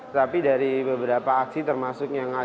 tapi dari beberapa aksi termasuk yang ada